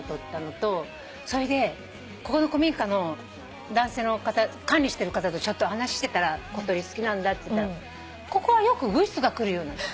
それでここの古民家の男性の方管理してる方とちょっとお話ししてたら小鳥好きなんだって言ったら「ここはよくウグイスが来るよ」